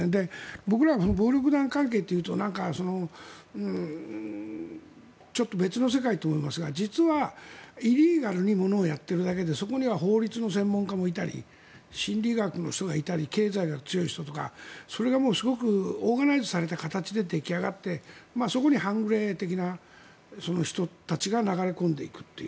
僕ら、暴力団関係というとちょっと別の世界と思いますが実は、イリーガルにものをやってるだけでそこには法律の専門家もいたり心理学の人がいたり経済学が強い人とかそれがオーガナイズされた形で出来上がって、そこに半グレ的な人たちが流れ込んでいくという。